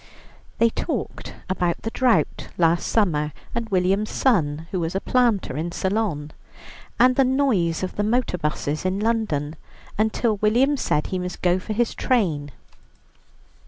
They talked about the drought last summer, and William's son, who was a planter in Ceylon, and the noise of the motor buses in London, until William said he must go for his train.